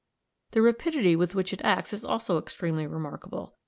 The rapidity with which it acts is also extremely remarkable.